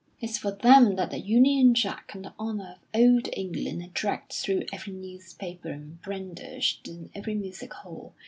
It's for them that the Union Jack and the honour of Old England are dragged through every newspaper and brandished in every music hall.